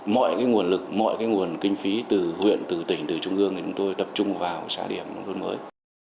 mọi cái nguồn lực mọi nguồn kinh phí từ huyện từ tỉnh từ trung ương thì chúng tôi tập trung vào xã điểm nông thôn mới